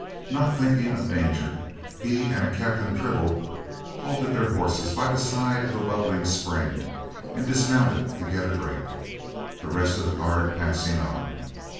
Not thinking of danger, he and a Captain Tribble halted their horses by the side of a bubbling spring and dismounted to get a drink, the rest of the guard passing on.